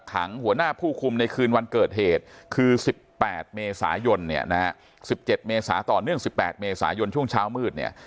หัวหน้าผู้คุมในคืนวันเกิดเหตุคือ๑๘เมษายนเนี่ยนะฮะ๑๗เมษาต่อเนื่อง๑๘เมษายนช่วงเช้ามืดเนี่ย